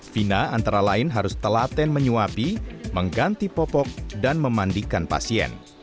vina antara lain harus telaten menyuapi mengganti popok dan memandikan pasien